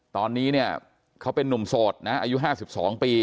ตอนนี้เขาเป็นนุ่มโสดอายุห้าสิบสองปี